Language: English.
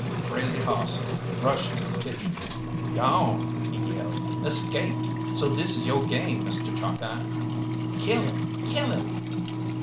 Crazy Hoss rushed to the kitchen. "Gawn!" he yelled. "Escaped! So this is yo' game, Mr. Chalkeye!" "Kill him! kill him!"